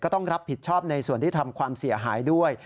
ต้องรับผิดชอบในส่วนที่ทำความเสียหายด้วย